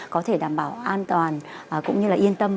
có thể đảm bảo an toàn cũng như là yên tâm